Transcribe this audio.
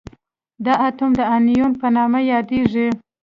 دا اتوم د انیون په نوم یادیږي.